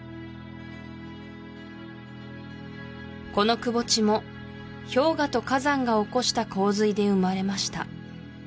このくぼ地も氷河と火山が起こした洪水で生まれました